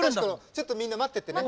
ちょっとみんな待っててね。